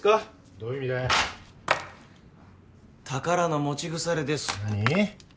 どういう意味だよ宝の持ち腐れです何？